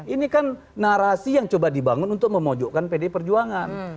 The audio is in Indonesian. ini kan narasi yang coba dibangun untuk memojokkan pdi perjuangan